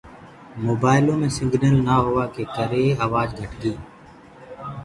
موبآئيلو مي سگنل نآ هوآ ڪي ڪري آوآج ڪٽ گي۔